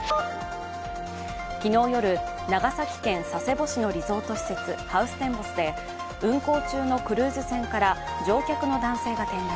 昨日夜、長崎県佐世保市のリゾート施設、ハウステンボスで運航中のクルーズ船から乗客の男性が転落。